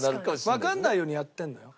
わかんないようにやってんのよ。